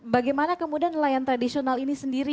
bagaimana kemudian nelayan tradisional ini sendiri